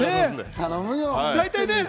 頼むよ！